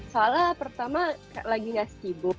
salah pertama lagi ngasih ibu